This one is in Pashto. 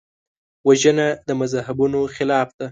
وژنه د مذهبونو خلاف ده